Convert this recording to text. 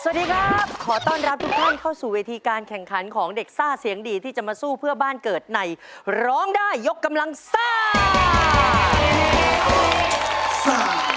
สวัสดีครับขอต้อนรับทุกท่านเข้าสู่เวทีการแข่งขันของเด็กซ่าเสียงดีที่จะมาสู้เพื่อบ้านเกิดในร้องได้ยกกำลังซ่า